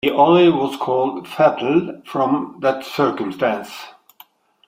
The olive was called "fatal" from that circumstance.